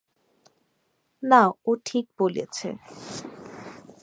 না, ও ঠিক বলেছে।